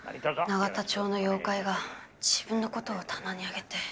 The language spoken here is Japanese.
永田町の妖怪が自分の事を棚に上げて。